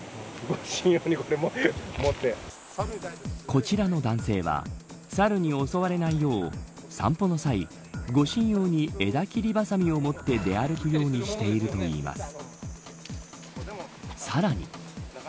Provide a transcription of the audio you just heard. こちらの男性はサルに襲われないよう散歩の際、護身用に枝切りばさみを持って出歩くようにしているといいます。